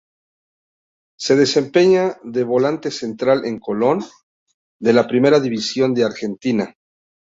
Se desempeña de volante central en Colón, de la Primera División de Argentina.